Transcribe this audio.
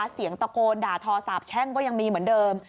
เสียงตะโกนด่าทอสาบแช่งก็ยังมีเหมือนเดิม